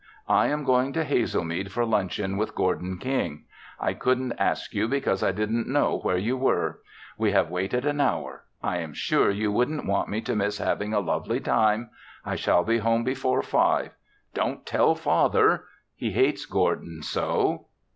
"I am going to Hazelmead for luncheon with Gordon King. I couldn't ask you because I didn't know where you were. We have waited an hour. I am sure you wouldn't want me to miss having a lovely time. I shall be home before five. Don't tell father! He hates Gordon so.